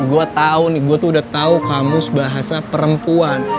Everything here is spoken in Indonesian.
gue tau nih gue tuh udah tahu kamus bahasa perempuan